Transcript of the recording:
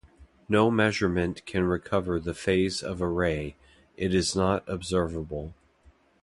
No measurement can recover the phase of a ray, it is not observable.